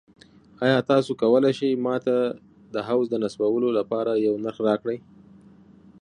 ایا تاسو کولی شئ ما ته د حوض د نصبولو لپاره یو نرخ راکړئ؟